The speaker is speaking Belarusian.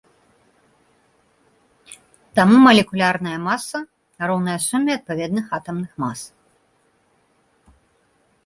Таму малекулярная маса роўная суме адпаведных атамных мас.